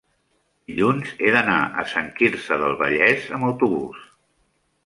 dilluns he d'anar a Sant Quirze del Vallès amb autobús.